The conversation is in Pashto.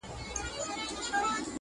په ژوندوني به مي ځان ټوټه ټوټه کړي